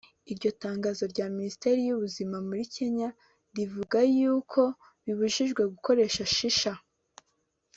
Iryo tangazo rya Minisiteri y’ubuzima muri Kenya rivuga yuko bibujijwe gukora Shisha